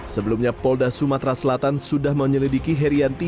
sebelumnya polda sumatera selatan sudah menyelidiki herianti